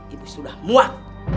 ibu sudah muak